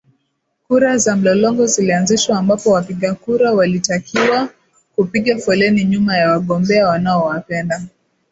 kura za mlolongo zilianzishwa ambapo wapigakura walitakiwa kupiga foleni nyuma ya wagombea wanaowapenda